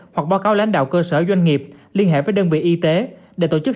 hoặc báo cáo lãnh đạo cơ sở doanh nghiệp liên hệ với đơn vị y tế để tổ chức